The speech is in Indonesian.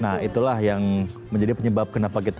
nah itulah yang menjadi penyebab kenapa kita